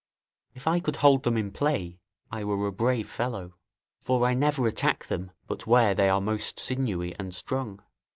If I could hold them in play, I were a brave fellow; for I never attack them; but where they are most sinewy and strong.